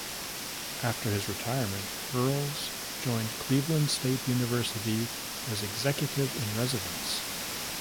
After his retirement Earls joined Cleveland State University as Executive in Residence.